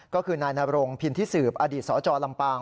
ก็คือนายนรงพินทิสืบอดีตสจลำปาง